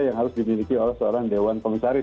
yang harus dimiliki oleh seorang dewan komisaris